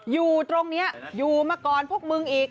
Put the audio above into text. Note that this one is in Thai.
อยู่ตรงนี้อยู่มาก่อนพวกมึงอีก